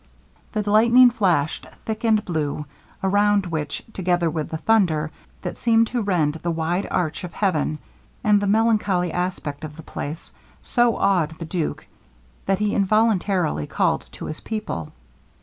The lighting flashed thick and blue around, which, together with the thunder that seemed to rend the wide arch of heaven, and the melancholy aspect of the place, so awed the duke, that he involuntarily called to his people.